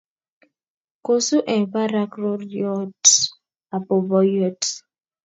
Kosu eng barak roriot ab boiboiyet